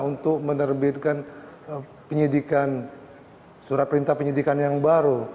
untuk menerbitkan penyidikan surat perintah penyidikan yang baru